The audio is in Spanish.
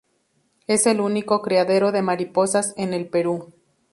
Es el único criadero de mariposas en el Perú.